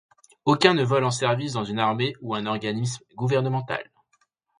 Aucun ne vole en service dans une armée ou un organisme gouvernemental.